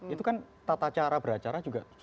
itu kan tata cara beracara juga sudah tersedia